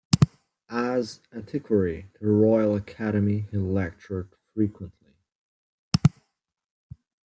As antiquary to the Royal Academy he lectured frequently.